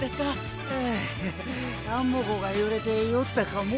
ううアンモ号が揺れて酔ったかも。